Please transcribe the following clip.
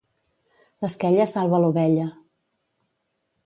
L'esquella salva l'ovella.